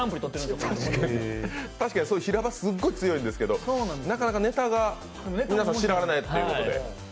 すごい強いんですけどもなかなかネタが知られないということで。